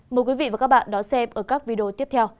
mời quý vị và các bạn đón xem ở các video tiếp theo